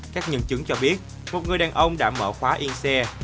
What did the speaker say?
các nhân chứng cho biết một người đàn ông đã mở khóa y xe